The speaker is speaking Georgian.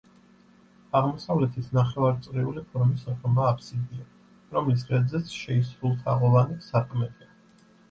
აღმოსავლეთით ნახევარწრიული ფორმის ღრმა აბსიდია, რომლის ღერძზეც შეისრულთაღოვანი სარკმელია.